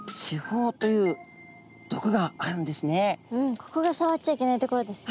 ここがさわっちゃいけないところですね。